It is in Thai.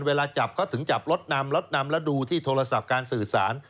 เวลาจับเขาถึงจับรถนำรถนำแล้วดูที่โทรศัพท์การสื่อสาร